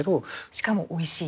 しかもおいしい。